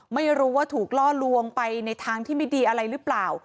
ไม่รู้ว่าถูกล่อลวงไปในทางที่ไม่ดีอะไรหรือเปล่า